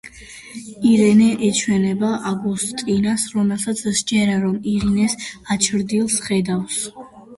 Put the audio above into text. ირენე ეჩვენება აგუსტინას, რომელსაც სჯერა, რომ ირენეს აჩრდილს ხედავს.